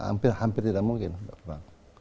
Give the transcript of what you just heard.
hampir hampir tidak mungkin